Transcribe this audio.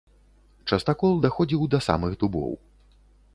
Частакол даходзіў да самых дубоў.